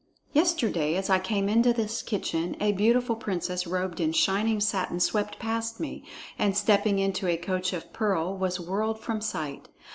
Yesterday, as I came into this kitchen, a beautiful princess robed in shining satin swept past me, and stepping into a coach of pearl was whirled from sight.